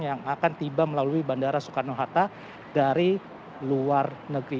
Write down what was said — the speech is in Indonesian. yang akan tiba melalui bandara soekarno hatta dari luar negeri